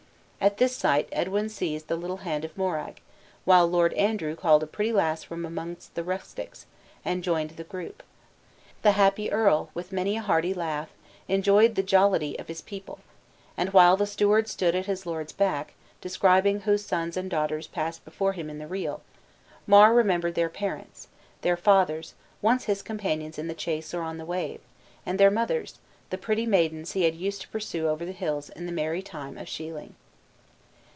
At this sight Edwin seized the little hand of Moraig, while Lord Andrew called a pretty lass from amongst the rustics, and joined the group. The happy earl, with many a hearty laugh, enjoyed the jollity of his people; and while the steward stood at his lord's back describing whose sons and daughters passed before him in the reel, Mar remembered their parents their fathers, once his companions in the chase or on the wave; and their mothers, the pretty maidens he used to pursue over the hills in the merry time of shealing.